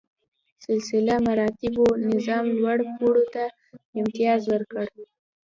سلسله مراتبو نظام لوړ پوړو ته امتیاز ورکړ.